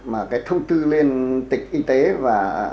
mà cái thông tư lên tỉnh y tế và